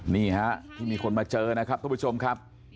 นี่ฮะที่มีคนมาเจอนะครับทุกผู้ชมครับ